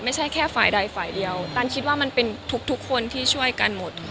ไม่ใช่แค่ฝ่ายใดฝ่ายเดียวตันคิดว่ามันเป็นทุกคนที่ช่วยกันหมดค่ะ